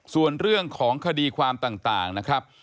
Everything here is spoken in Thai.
ส่วนเรื่องของคดีความต่างนะครับ